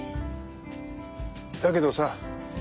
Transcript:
だけどさ。